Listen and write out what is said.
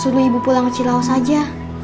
suruh ibu pulang ke cilawu saja